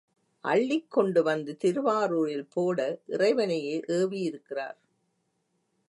அள்ளிக் கொண்டு வந்து திருவாரூரில் போட இறைவனையே ஏவியிருக்கிறார்.